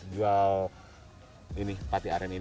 dua ini pak cik